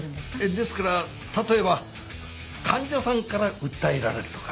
ですから例えば患者さんから訴えられるとか。